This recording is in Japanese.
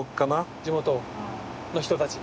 地元の人たち。